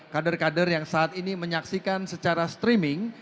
kader kader yang saat ini menyaksikan secara streaming